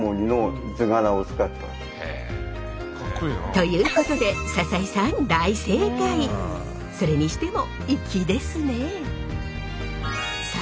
ということでそれにしても粋ですね。